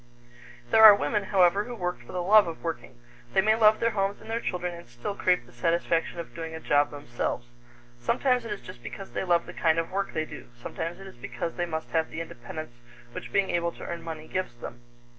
There are women, however, who work for the love of working. They may love their homes and their children and still crave the satisfaction of doing a job themselves. Sometimes it is just because they love the kind of work they do; sometimes it is because they must have the independence which being able to earn money gives them.